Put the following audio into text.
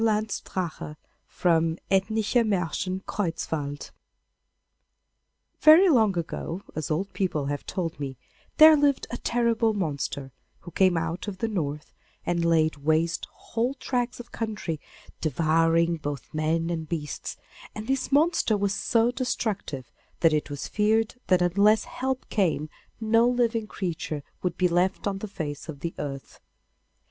] THE DRAGON OF THE NORTH Very long ago, as old people have told me, there lived a terrible monster, who came out of the North, and laid waste whole tracts of country, devouring both men and beasts; and this monster was so destructive that it was feared that unless help came no living creature would be left on the face of the earth.